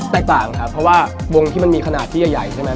แตกต่างครับเพราะว่าวงที่มันมีขนาดที่ใหญ่ใช่ไหม